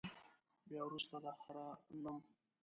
بیا وروسته د حرا نوم.